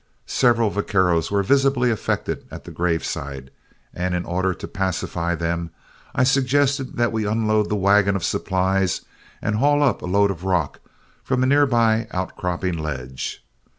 Several vaqueros were visibly affected at the graveside, and in order to pacify them, I suggested that we unload the wagon of supplies and haul up a load of rock from a near by outcropping ledge.